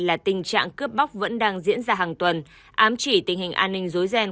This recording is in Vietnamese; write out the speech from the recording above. là tình trạng cướp bóc vẫn đang diễn ra hàng tuần ám chỉ tình hình an ninh dối ghen